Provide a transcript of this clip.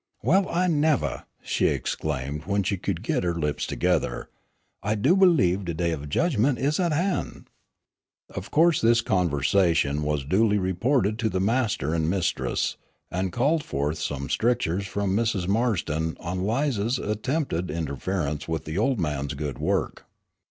"Well, I nevah!" she exclaimed when she could get her lips together, "I do believe de day of jedgmen' is at han'." Of course this conversation was duly reported to the master and mistress, and called forth some strictures from Mrs. Marston on Lize's attempted interference with the old man's good work.